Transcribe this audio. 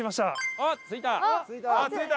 あっ着いた。